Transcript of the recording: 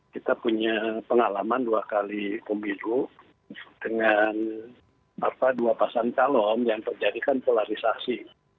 kita punya pengalaman dua kali pemilu dengan apa dua pasang calon yang terjadikan polarisasi